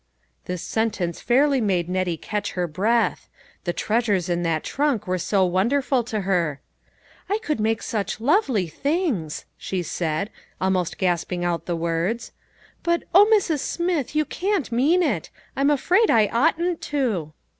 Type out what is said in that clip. This sentence fairly made Nettie catch her breath. The treasures in that trunk were so wonderful to her. " I could make such lovely things!" she said, almost gasping out the words; "but, O Mrs. Smith, you can't mean it! I'm afraid I oughtn't to."